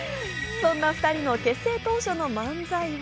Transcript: そんな２人の結成当初の漫才は。